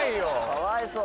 かわいそう。